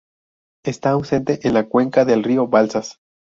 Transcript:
Está ausente en la cuenca del río Balsas.